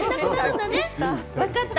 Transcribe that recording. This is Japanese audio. わかった！